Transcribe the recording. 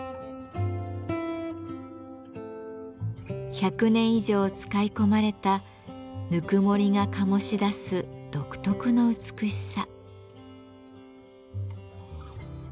１００年以上使い込まれたぬくもりが醸し出す独特の美しさ。